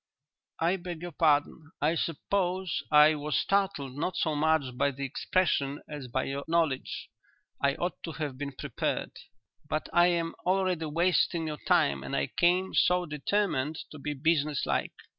'" "I beg your pardon. I suppose I was startled not so much by the expression as by your knowledge. I ought to have been prepared. But I am already wasting your time and I came so determined to be business like.